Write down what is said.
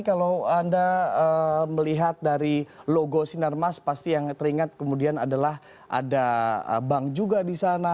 kalau anda melihat dari logo sinarmas pasti yang teringat kemudian adalah ada bank juga di sana